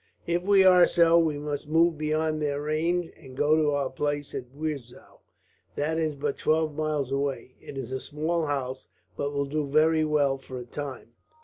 "If we are so, we must move beyond their range and go to our place at Wirzow. That is but twelve miles away. It is a small house, but will do very well for a time."